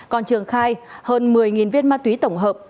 còn trường khai hơn một mươi viên ma túy tổng hợp